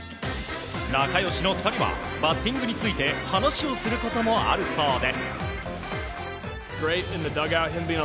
仲良しの２人はバッティングについて話をすることもあるそうで。